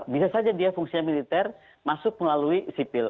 bisa saja dia fungsinya militer masuk melalui sipil